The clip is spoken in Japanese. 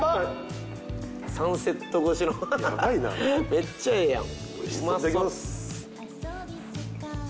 めっちゃええやん。